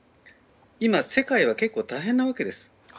今、世界は結構、大変なわけです。